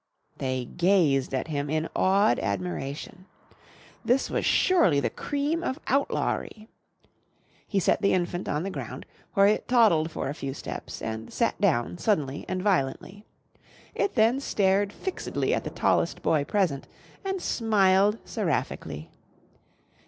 They gazed at him in awed admiration. This was surely the cream of outlawry. He set the infant on the ground, where it toddled for a few steps and sat down suddenly and violently. It then stared fixedly at the tallest boy present and smiled seraphically.